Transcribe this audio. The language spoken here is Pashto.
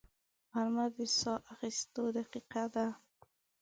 غرمه د ساه اخیستو دقیقه ده